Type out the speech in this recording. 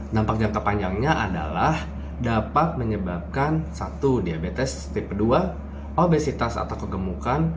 dampak jangka panjangnya adalah dapat menyebabkan satu diabetes tipe dua obesitas atau kegemukan